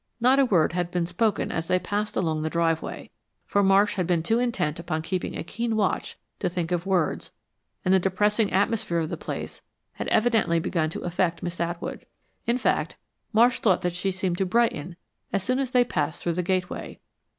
Not a word had been spoken as they passed along the driveway, for Marsh had been too intent upon keeping a keen watch to think of words, and the depressing atmosphere of the place had evidently begun to affect Miss Atwood. In fact, Marsh thought that she seemed to brighten as soon as they passed through the gateway.